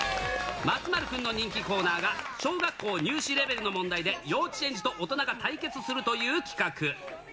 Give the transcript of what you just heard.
松丸君の人気コーナーが、小学校入試レベルの問題で、幼稚園児と大人が対決するという企画。